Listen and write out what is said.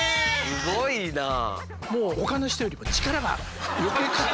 すごいなあ。